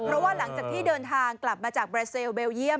เพราะว่าหลังจากที่เดินทางกลับมาจากบราเซลเบลเยี่ยม